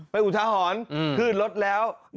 ไปอุชาหอนขึ้นรถแล้ว